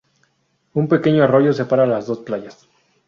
Un pequeño arroyo separa las dos playas.